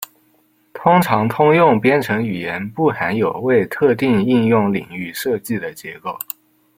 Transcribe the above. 通常通用编程语言不含有为特定应用领域设计的结构。